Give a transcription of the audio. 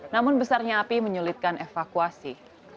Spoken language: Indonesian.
namun besarnya api menyulitkan evakuasi